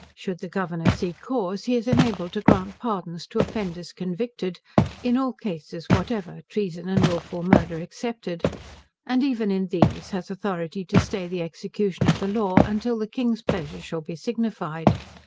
Should the Governor see cause, he is enabled to grant pardons to offenders convicted, "in all cases whatever, treason and wilful murder excepted," and even in these, has authority to stay the execution of the law, until the King's pleasure shall be signified.